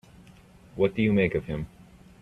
What do you make of him?